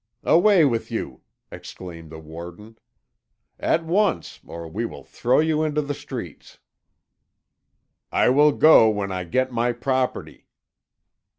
"Away with you!" exclaimed the warder, "at once, or we will throw you into the streets!" "I will go when I get my property."